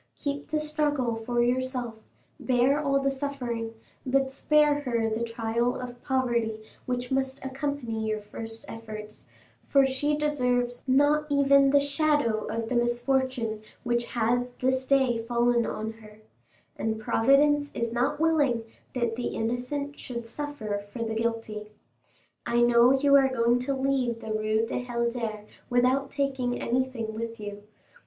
Keep the struggle for yourself, bear all the suffering, but spare her the trial of poverty which must accompany your first efforts; for she deserves not even the shadow of the misfortune which has this day fallen on her, and Providence is not willing that the innocent should suffer for the guilty. I know you are going to leave the Rue du Helder without taking anything with you.